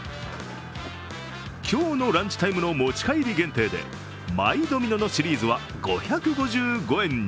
今日のランチタイムの持ち帰り限定でマイドミノのシリーズは５５５円に。